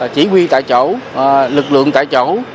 chỉ huy tại chỗ lực lượng tại chỗ